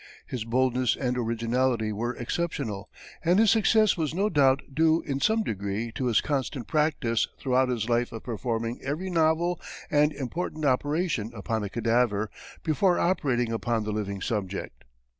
His boldness and originality were exceptional, and his success was no doubt due in some degree to his constant practice throughout his life of performing every novel and important operation upon a cadaver before operating upon the living subject.